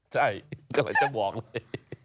ใช่กำลังจะบอกเลย